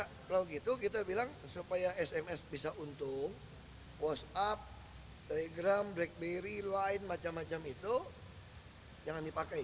kalau gitu kita bilang supaya sms bisa untung whatsapp telegram blackberry line macam macam itu jangan dipakai